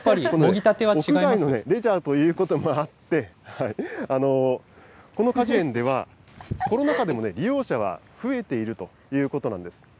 屋外でのレジャーということもあって、この果樹園ではコロナ禍でも利用者は増えているということなんです。